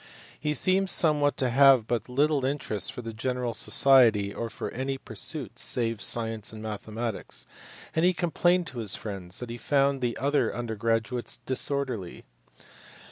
He seems however to have had but little interest for general society or for any pursuits save science and mathematics, and he complained to his friends that he found the other under graduates disorderly.